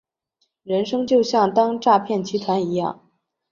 人生就像当诈骗集团一样